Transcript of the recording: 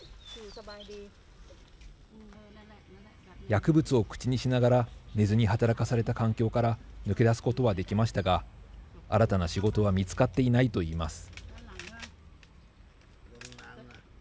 薬物を口にしながら寝ずに働かされた環境から抜け出すことはできましたが新たな仕事は見つかっていないといいます。